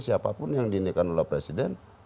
siapapun yang diindihkan oleh presiden